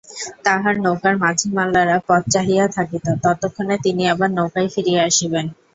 তাঁহার নৌকার মাঝি-মাল্লারা পথ চাহিয়া থাকিত, কতক্ষণে তিনি আবার নৌকায় ফিরিয়া আসিবেন।